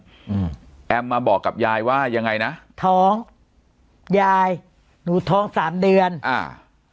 อืมแอมมาบอกกับยายว่ายังไงนะท้องยายหนูท้องสามเดือนอ่า